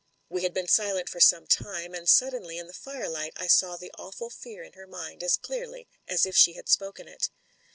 We had been silent for some time, and suddenly in the firelight I saw the awful fear in her mind as clearly as if she had spoken it.